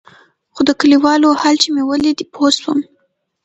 خو د كليوالو حال چې مې ولېد پوه سوم.